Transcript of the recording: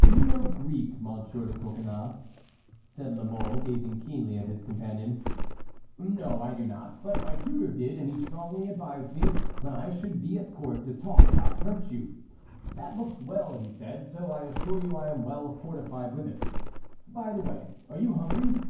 "Do you know Greek, Monsieur de Coconnas?" said La Mole, gazing keenly at his companion. "No, I do not; but my tutor did, and he strongly advised me when I should be at court to talk about virtue. 'That looks well,' he said. So I assure you I am well fortified with it. By the way, are you hungry?"